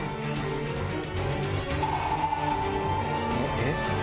えっ？